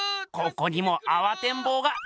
ここにもあわてんぼうが。